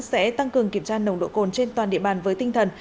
sẽ tăng cường kiểm tra nồng độ cồn trên toàn địa bàn với tinh thần